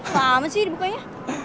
sama sih dibukanya